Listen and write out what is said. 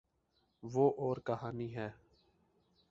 وہ اورکہانی ہے۔